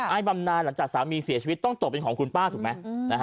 บำนานหลังจากสามีเสียชีวิตต้องตกเป็นของคุณป้าถูกไหม